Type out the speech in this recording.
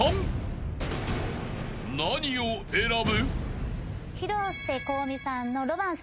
［何を選ぶ？］